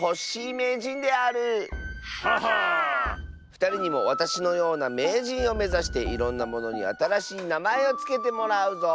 ふたりにもわたしのようなめいじんをめざしていろんなものにあたらしいなまえをつけてもらうぞ。